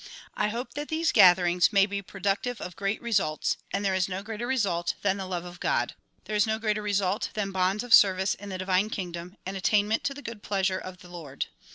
I hope that these gatherings may be productive of great results and there is no greater result than the love of God. There is no greater result than bonds of service in the divine kingdom and attainment to the good pleasui*e of the Lord.